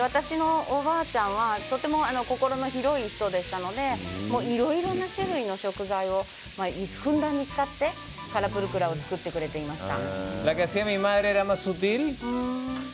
私のおばあちゃんはとても心の広い人でしたのでいろいろな種類の食材をふんだんに使ってカラプルクラを作ってくれていました。